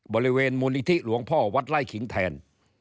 บริเวณมูลนิธิหลวงพ่อวัดไล่ขิงแทน